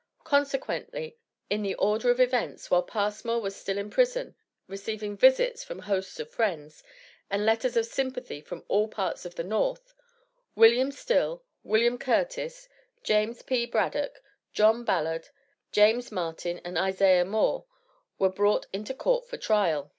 Consequently, in the order of events, while Passmore was still in prison, receiving visits from hosts of friends, and letters of sympathy from all parts of the North, William Still, William Curtis, James P. Braddock, John Ballard, James Martin and Isaiah Moore, were brought into court for trial.